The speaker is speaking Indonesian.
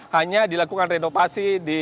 hanya dilakukan renovasi